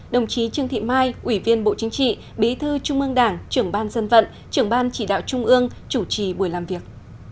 đồng chí trương thị mai ủy viên bộ chính trị bí thư trung ương đảng trưởng ban dân vận trưởng ban chỉ đạo trung ương chủ trì buổi làm việc